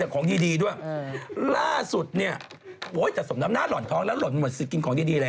ความน่ารัก